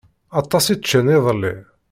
Aṭas i ččan iḍelli.